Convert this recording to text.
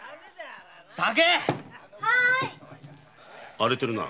荒れてるな。